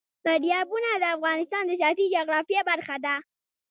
دریابونه د افغانستان د سیاسي جغرافیه برخه ده.